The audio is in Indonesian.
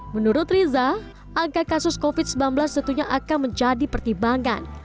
menurut riza angka kasus covid sembilan belas tentunya akan menjadi pertimbangan